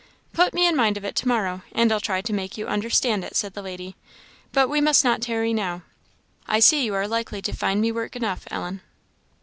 "Put me in mind of it to morrow, and I'll try to make you understand it," said the lady. "But we must not tarry now. I see you are likely to find me work enough, Ellen."